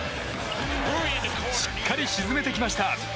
しっかり沈めてきました。